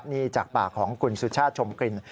นี่จากปากของคุณสุชาติชมกลิ่น